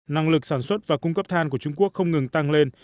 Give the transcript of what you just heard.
năng lực sản xuất và cung cấp than của trung quốc không ngừng tăng lên